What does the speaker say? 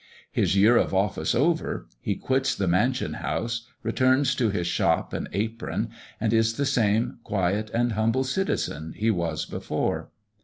His year of office over, he quits the Mansion House, returns to his shop and apron, and is the same quiet and humble citizen he was before.